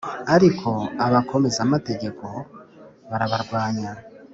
ariko abakomeza amategeko barabarwanya